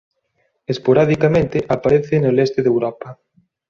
Esporadicamente a parece no leste de Europa.